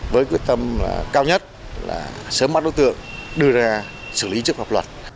với quyết tâm cao nhất là sớm bắt đối tượng đưa ra xử lý trước pháp luật